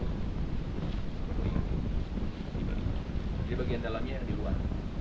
bagian dalamnya yang di luar